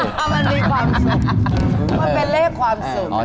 มันมีความสุขมันเป็นเลขความสุข